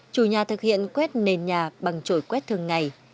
chủ nhà thực hiện quét nền nhà bằng trổi quét thường ngày